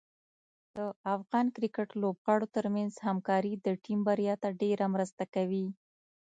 د افغان کرکټ لوبغاړو ترمنځ همکاري د ټیم بریا ته ډېره مرسته کوي.